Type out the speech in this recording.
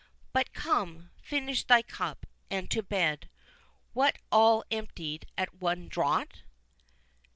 —But come, finish thy cup, and to bed.—What, all emptied at one draught!"